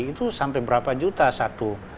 itu sampai berapa juta satu